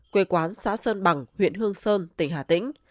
quê quán xã sơn bằng huyện hương sơn tỉnh hà tĩnh